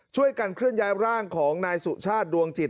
ช่วยกันเคลื่อนย้ายร่างของนายสุชาติดวงจิต